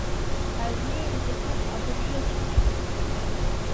Аҩны еимдатәуп, абыржәыҵәҟьа!